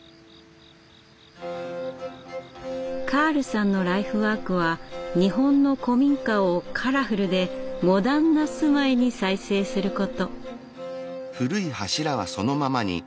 カールさんのライフワークは日本の古民家をカラフルでモダンな住まいに再生すること。